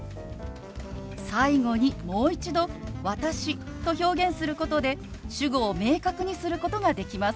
最後にもう一度「私」と表現することで主語を明確にすることができます。